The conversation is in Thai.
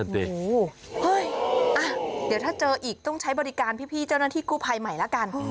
เดี๋ยวถ้าเจออีกต้องใช้บริการพี่เจ้าหน้าที่กู้ภัยใหม่ละกัน